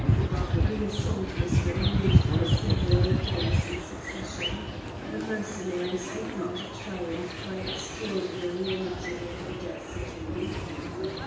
The assault was renewed for several days in succession, the Mercenaries hoping to triumph by extraordinary energy and audacity.